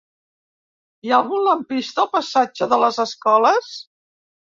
Hi ha algun lampista al passatge de les Escoles?